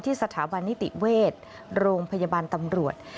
สถาบันนิติเวชโรงพยาบาลตำรวจ